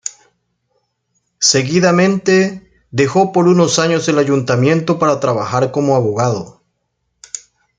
Seguidamente dejó por unos años el ayuntamiento para trabajar como abogado.